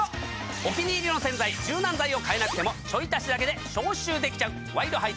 お気に入りの洗剤柔軟剤を変えなくてもちょい足しだけで消臭できちゃう。